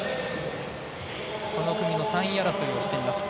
この組の３位争いをしています。